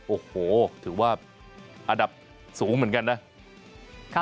โอ้โหถือว่าอันดับสูงเหมือนกันนะ